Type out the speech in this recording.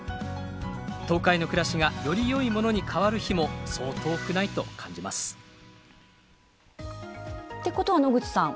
東海の暮らしがよりよいものに変わる日もそう遠くないと感じますってことは野口さん。